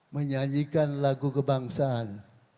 menyanyikan lagu kebangsaan